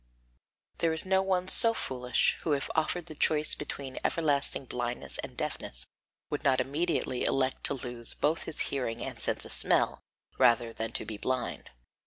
There is no one so foolish who if offered the choice between everlasting blindness and deafness would not immediately elect to lose both his hearing and sense of smell rather than to be blind.